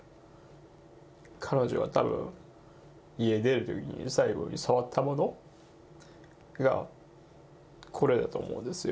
彼女はたぶん、家出るときに、最後に触ったものがこれだと思うんですよ。